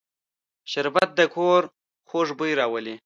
شربت د کور خوږ بوی راولي